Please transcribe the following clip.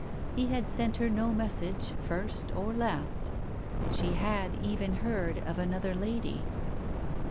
He had sent her no message first or last. She had even heard of another lady.